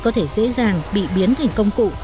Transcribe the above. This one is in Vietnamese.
có thể dễ dàng bị biến thành công cụ